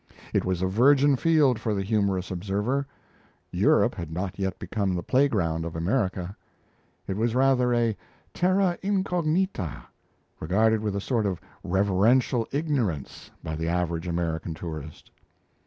It was a virgin field for the humorous observer; Europe had not yet become the playground of America. It was rather a terra incognita, regarded with a sort of reverential ignorance by the average American tourist.